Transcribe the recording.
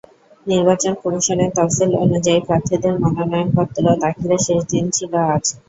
নির্বাচন কমিশনের তফসিল অনুযায়ী, প্রার্থীদের মনোনয়নপত্র দাখিলের শেষ দিন ছিল আজ।